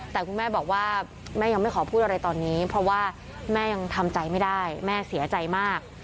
แต่คุณแม่บอกว่าแม่ยังไม่ขอพูดอะไรตอนนี้เพราะว่าแม่ยังทำใจไม่ได้แม่เสียใจมาก